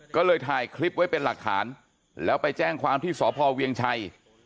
ก็เลยถ่ายคลิปไว้เป็นหลักฐานแล้วไปแจ้งความที่สพเวียงชัย